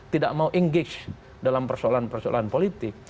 tidak mau engage dalam persoalan persoalan politik